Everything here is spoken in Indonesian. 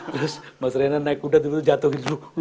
terus mas renan naik kuda jatuhin dulu